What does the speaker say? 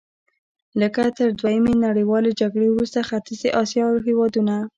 لکه تر دویمې نړیوالې جګړې وروسته ختیځې اسیا هېوادونه.